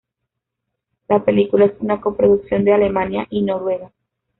La película es una coproducción de Alemania y Noruega.